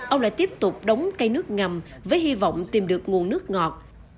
ông lại tiếp tục đóng cây nước ngầm với hy vọng tìm được nguồn nước ngọt